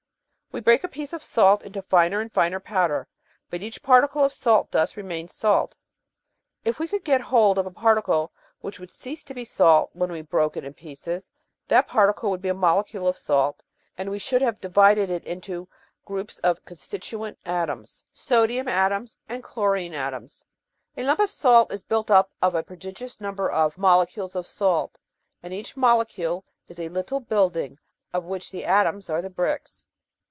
We break a piece of salt into finer and finer powder, but each particle of salt dust remains salt. If we could get hold of a particle which would cease to be salt when we broke it in pieces, that particle would be a molecule of salt, and we should have divided it into groups of constituent atoms sodium The Romance of Chemistry lii\ atoms and chlorine atoms. A lump of salt is built up of a pro digous number of molecules of salt; and each molecule is "a little building, of which the atoms are the bricks."